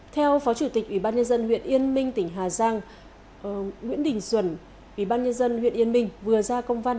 theo phó chủ tịch ubnd huyện yên minh tỉnh hà giang nguyễn đình xuân ubnd huyện yên minh vừa ra công văn